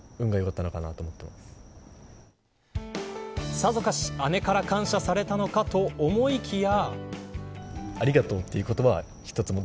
さぞかし、姉から感謝されたのかと思いきや。